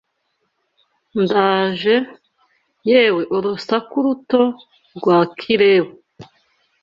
Ndaje, yewe urusaku ruto rwa kirewu